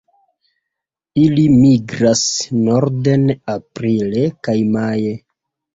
Ili migras norden aprile kaj maje.